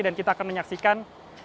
dan kita akan menyaksikan